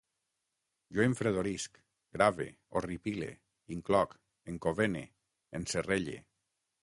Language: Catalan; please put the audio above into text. Jo enfredorisc, grave, horripile, incloc, encovene, encerrelle